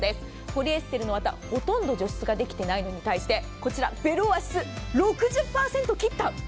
ポリエステルの綿ほとんど除湿ができていないのに対してベルオアシス、６０％を切った。